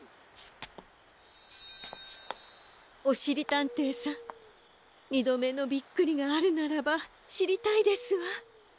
おしりたんていさんにどめのびっくりがあるならばしりたいですわ。